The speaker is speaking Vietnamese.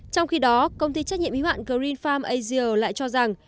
trong khi đó công ty trách nhiệm hữu hạn green farm asia lại cho rằng